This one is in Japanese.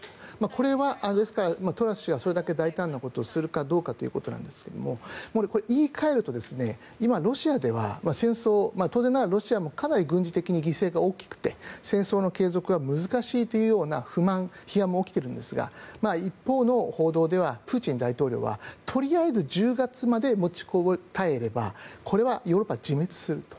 これは、ですからトラス氏がそれだけ大胆なことをするかどうかなんですが言い換えると、今ロシアでは戦争当然ながらロシアもかなり軍事的に犠牲が大きくて戦争の継続は難しいという不満、批判も起きているんですが一方の報道ではプーチン大統領はとりあえず１０月まで持ちこたえればこれはヨーロッパは自滅すると。